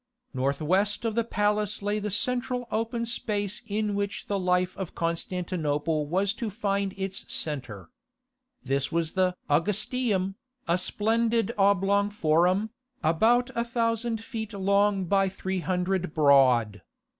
The Heart of Constantinople North west of the palace lay the central open space in which the life of Constantinople was to find its centre. This was the "Augustaeum," a splendid oblong forum, about a thousand feet long by three hundred broad.